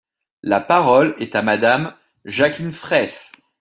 La parole est à Madame Jacqueline Fraysse.